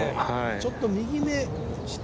ちょっと右目。